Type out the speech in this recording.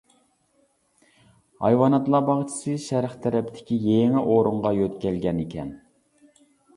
ھايۋاناتلار باغچىسى شەرق تەرەپتىكى يېڭى ئورۇنغا يۆتكەلگەنىكەن.